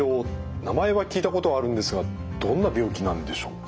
名前は聞いたことはあるんですがどんな病気なんでしょうか？